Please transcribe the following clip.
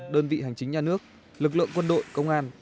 đơn vị hành chính nhà nước lực lượng quân đội công an